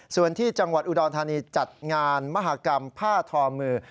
ส่วนที่จังหวัดอุดรธานีจัดงานมหากรรมผ้าทอมือ